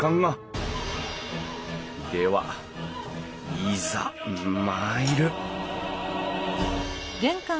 ではいざ参る！